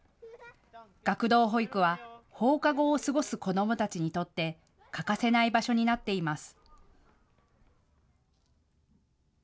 学童保育は放課後を過ごす子どもたちにとって欠かせない場所になっています。